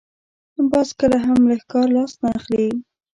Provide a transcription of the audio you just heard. باز کله هم له ښکار لاس نه اخلي